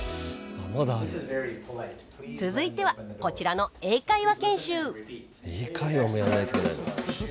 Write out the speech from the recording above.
続いてはこちらの英会話研修英会話もやんないといけないの？